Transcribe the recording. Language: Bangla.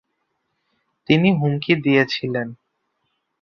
তিনি হুমকি দিয়েছিলেন।